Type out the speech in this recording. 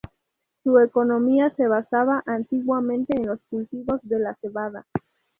Su economía se basaba antiguamente en los cultivos de la cebada.